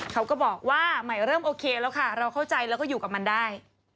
เขาก็บอกว่าใหม่เริ่มโอเคแล้วค่ะเราเข้าใจแล้วก็อยู่กับมันได้